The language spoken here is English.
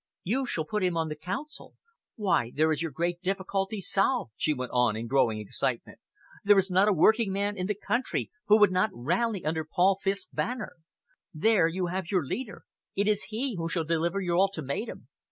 You shall put him on the Council. Why, there is your great difficulty solved," she went on, in growing excitement. "There is not a working man in the country who would not rally under 'Paul Fiske's' banner. There you have your leader. It is he who shall deliver your ultimatum."